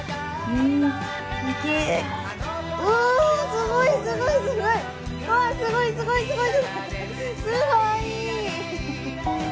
うわー、すごい、すごい、すごい、すごい、すごいすごい。